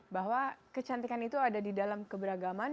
bahwa kecantikan itu ada di dalam keberagaman